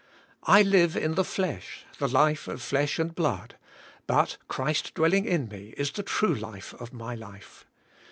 I live in the flesh, the life of flesh and blood, but Christ dwelling in me is the true life of my life.